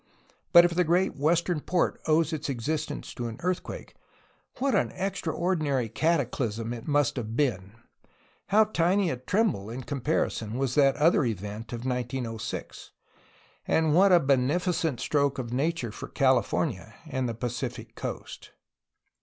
But if the great western port owes its existence to an earthquake, what an extraordinary cataclysm it must have been! How tiny a tremble in com parison was that other event of 1906! And what a benefi cent stroke of nature for California and the Pacific coast!